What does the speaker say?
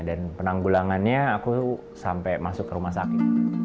dan penanggulangannya aku sampai masuk ke rumah sakit